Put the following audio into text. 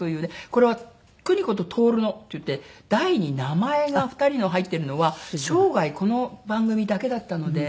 これは『邦子と徹の』っていって題に名前が２人の入ってるのは生涯この番組だけだったので。